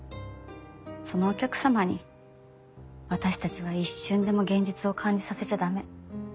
そのお客様に私たちは一瞬でも現実を感じさせちゃ駄目。